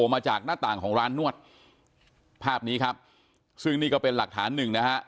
มาจากหน้าต่างของร้านนวดภาพนี้ครับซึ่งนี่ก็เป็นหลักฐานหนึ่งนะฮะ